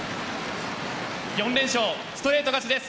４連勝、ストレート勝ちです。